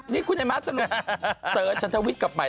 นี่คุณไอ้มัทสนุกเติร์ชชันเทอร์วิทกลับใหม่